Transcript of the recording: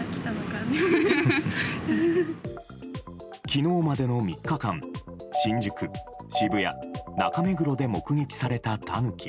昨日までの３日間新宿、渋谷、中目黒で目撃されたタヌキ。